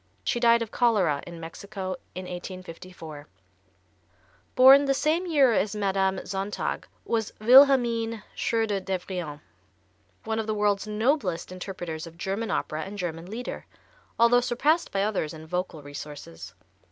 She died of cholera in Mexico in 1854. Born the same year as Madame Sontag was Wilhelmine Schröder Devrient, one of the world's noblest interpreters of German opera and German Lieder, although surpassed by others in vocal resources.